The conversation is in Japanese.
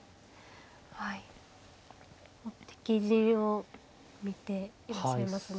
はい敵陣を見ていらっしゃいますね。